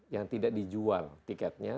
yang tidak dijual tiketnya